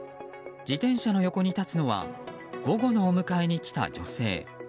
自転車の横に立つのは午後のお迎えに来た女性。